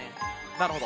なるほど。